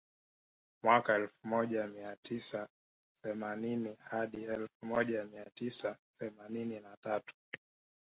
Mwaka elfu moja mia tisa themanini hadi elfu moja mia tisa themanini na tatu